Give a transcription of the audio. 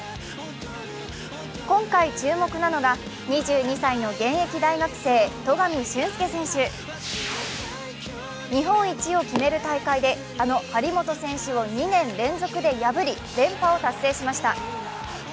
今回、注目なのが２２歳の現役大学生、戸上隼輔選手。日本一を決める大会であの張本選手を２年連続で破り連覇を達成しました。